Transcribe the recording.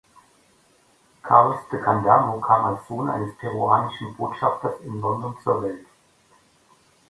Carlos de Candamo kam als Sohn eines peruanischen Botschafters in London zur Welt.